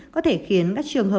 có thể khiến các trường viện